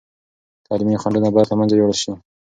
تعلیمي خنډونه باید له منځه یوړل سي.